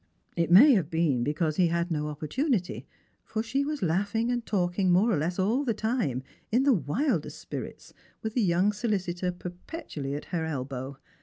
It may have been because he had no opportunity ; foi she was laughing and talking more or leas all the time, in the ■wildest spirits, with the young solicitor perpetually at her elbow.